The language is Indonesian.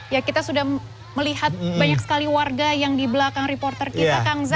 ya kita sudah melihat banyak sekali warga yang di belakang reporter kita kang za